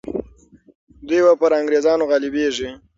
دوی به پر انګریزانو غالبیږي.